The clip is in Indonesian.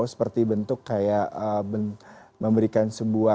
seperti bentuk kayak memberikan sebuah